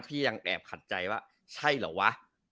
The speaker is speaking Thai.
ยังแอบขัดใจว่าใช่เหรอวะ